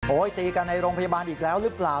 ตีกันในโรงพยาบาลอีกแล้วหรือเปล่า